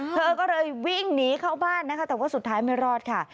เธอก็เลยวิ่งหนีเข้าบ้านนะคะแต่ว่าสุดท้ายไม่รอดค่ะ